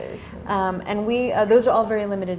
dan itu semua berbeda